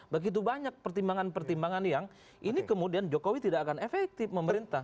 begitu banyak pertimbangan pertimbangan yang ini kemudian jokowi tidak akan efektif memerintah